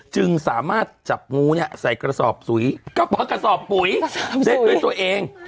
จึงสามารถจับงูเนี่ยใส่กระสอบปุ๋ยกระเพาะกระสอบปุ๋ยเซ็ตด้วยตัวเอง